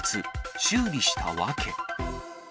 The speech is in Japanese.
修理した訳。